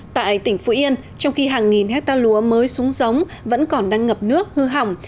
tại tỉnh phú yên trong khi hàng nghìn hectare lúa mới xuống giống vẫn còn đang ngập nước hư hỏng